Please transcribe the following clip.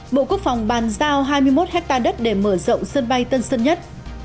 bộ quốc phòng bàn giao hai mươi một hectare đất để mở rộng sân bay tân sơn nhất